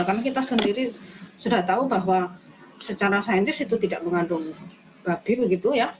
karena kita sendiri sudah tahu bahwa secara saintis itu tidak mengandung babi begitu ya